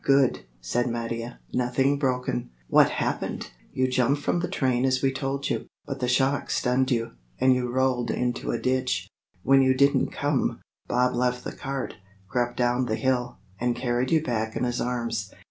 "Good," said Mattia; "nothing broken." "What happened?" "You jumped from the train as we told you, but the shock stunned you, and you rolled into a ditch. When you didn't come, Bob left the cart, crept down the hill, and carried you back in his arms.